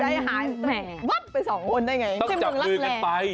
แหมกูจะให้หายหวับไป๒คนได้ไง